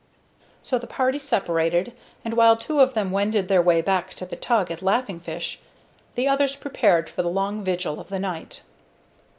So the party separated; and, while two of them wended their way back to the tug at Laughing Fish, the others prepared for the long vigil of the night.